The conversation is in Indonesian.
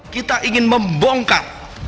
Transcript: kita ingin membongkar